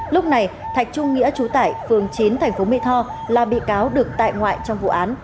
lúc này thạch trung nghĩa trú tải phường chín thành phố mỹ tho là bị cáo được tại ngoại trong vụ án